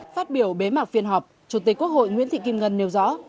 phát biểu bế mạc phiên họp chủ tịch quốc hội nguyễn thị kim ngân nêu rõ